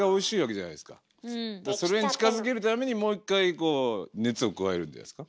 それに近づけるためにもう一回熱を加えるんじゃないですか？